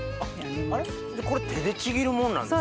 これ手でちぎるもんなんですか？